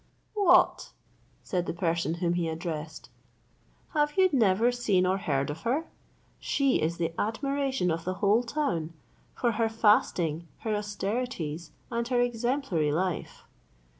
"What!" said the person whom he addressed, "have you never seen or heard of her? She is the admiration of the whole town, for her fasting, her austerities, and her exemplary life.